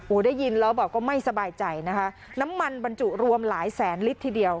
ได้ยินแล้วบอกก็ไม่สบายใจนะคะน้ำมันบรรจุรวมหลายแสนลิตรทีเดียว